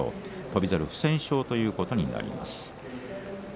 翔猿、不戦勝ということになります。